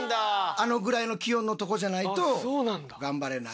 あのぐらいの気温のとこじゃないとがんばれない。